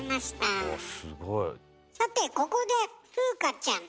さてここで風花ちゃん。